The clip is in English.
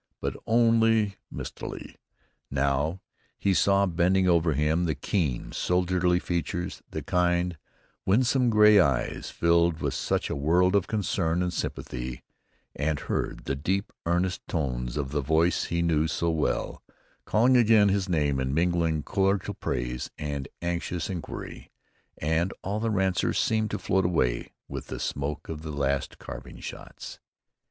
But, only mistily now, he saw bending over him the keen, soldierly features, the kind, winsome gray eyes, filled with such a world of concern and sympathy, and heard the deep, earnest tones of the voice he knew so well, calling again his name and mingling cordial praise and anxious inquiry, and all the rancor seemed to float away with the smoke of the last carbine shots.